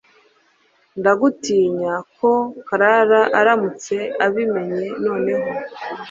ndigutinya ko Clara aramutse abimenye noneho